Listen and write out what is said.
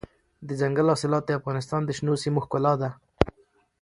دځنګل حاصلات د افغانستان د شنو سیمو ښکلا ده.